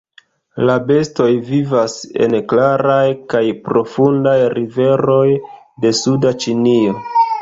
La bestoj vivas en klaraj kaj profundaj riveroj de suda Ĉinio.